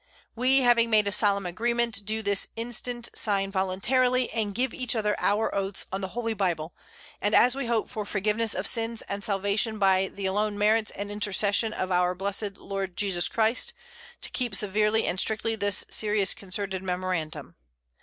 _We having made a solemn Agreement, do this Instant sign voluntarily, and give each other our Oaths on the Holy Bible; and as we hope for Forgiveness of Sins, and Salvation by the alone Merits and Intercession of our Blessed Lord Jesus Christ, to keep severely and strictly this serious concerted_ Memorandum.